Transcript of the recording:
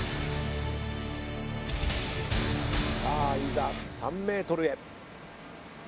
さあいざ３ｍへ。